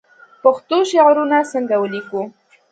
پښتو شعرونه څنګه ولیکو